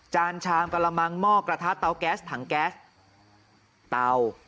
จานชามกะละมังหม้อกระทะเตาแก๊สถังแก๊สเตา